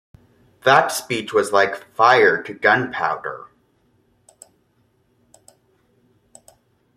That speech was like fire to gunpowder.